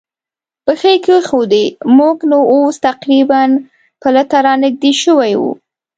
پښې کېښوودې، موږ نو اوس تقریباً پله ته را نږدې شوي و.